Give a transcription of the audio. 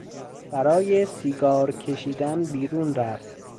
برای سیگار کشیدن بیرون رفت.